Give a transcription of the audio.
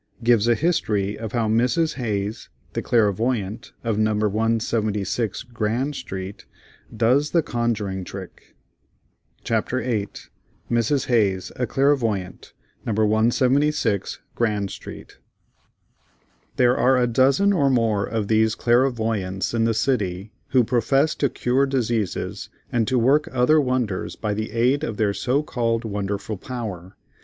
Gives a history of how Mrs. Hayes, the Clairvoyant, of No. 176 Grand Street, does the Conjuring Trick. CHAPTER VIII. MRS. HAYES, A CLAIRVOYANT, No. 176 GRAND STREET. There are a dozen or more of these "Clairvoyants" in the city who profess to cure diseases, and to work other wonders by the aid of their so called wonderful power.